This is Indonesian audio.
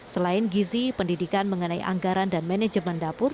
selain gizi pendidikan mengenai anggaran dan manajemen dapur